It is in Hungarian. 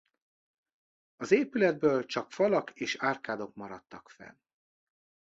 Az épületből csak falak és árkádok maradtak fenn.